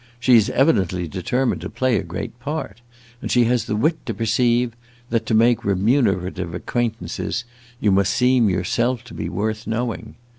She is evidently determined to play a great part, and she has the wit to perceive that, to make remunerative acquaintances, you must seem yourself to be worth knowing.